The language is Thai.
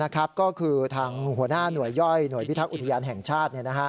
ก็คือทางหัวหน้าหน่วยย่อยหน่วยพิทักษ์อุทยานแห่งชาติ